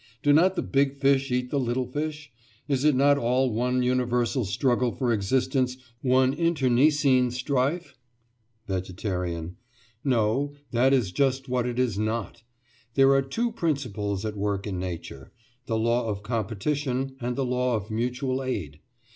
Do not the big fish eat the little fish? Is it not all one universal struggle for existence, one internecine strife? VEGETARIAN: No; that is just what it is not. There are two principles at work in Nature—the law of competition and the law of mutual aid.